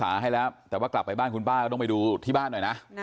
หาให้แล้วแต่ว่ากลับไปบ้านคุณป้าก็ต้องไปดูที่บ้านหน่อยนะ